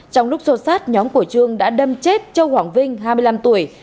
trong lúc xô sát nhóm của trương đã đâm chết châu hoàng vinh hai mươi năm tuổi